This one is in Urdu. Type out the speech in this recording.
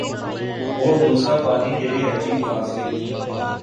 اور دوسرا پانی کی ایک عجیب خاصیت تھی